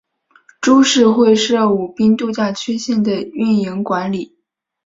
株式会社舞滨度假区线的营运管理。